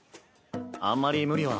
あんまり無理は。